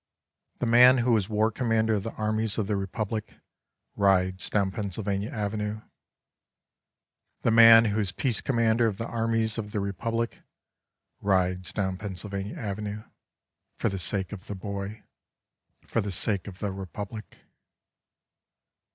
The man who was war commander of the armies of the Republic rides down Pennsylvania Avenue — The man who is peace commander of the armies of the Republic rides dovra Pennsylvania Avenue — for the sake of the Boy, for the sake of the Republic.